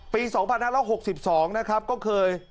ปี๒๐๐๐แล้ว๖๒นะครับก็เคย